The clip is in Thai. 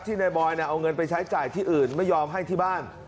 นายบอยเอาเงินไปใช้จ่ายที่อื่นไม่ยอมให้ที่บ้าน